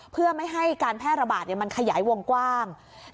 เพื่อไม่ให้การแพร่ระบาดมันขยายวงกว้าง